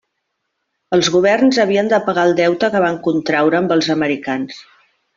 Els governs havien de pagar el deute que van contraure amb els americans.